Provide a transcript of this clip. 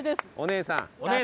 お姉さん。